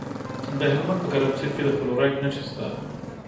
د هلمند په ګرمسیر کې د فلورایټ نښې شته.